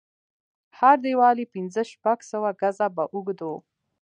هر دېوال يې پنځه شپږ سوه ګزه به اوږد و.